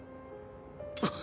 あっ！